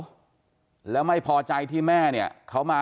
จนกระทั่งหลานชายที่ชื่อสิทธิชัยมั่นคงอายุ๒๙เนี่ยรู้ว่าแม่กลับบ้าน